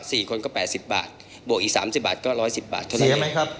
มีการที่จะพยายามติดศิลป์บ่นเจ้าพระงานนะครับ